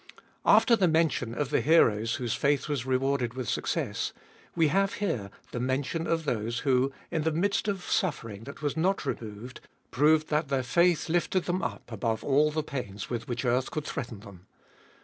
After the mention of the heroes whose faith was rewarded with success, we have here the mention of those who, in the midst of suffering that was not removed, proved that their faith lifted them up above all the pains with which earth could threaten them.